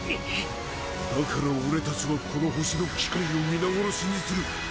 だから俺たちはこの星の機械を皆殺しにする。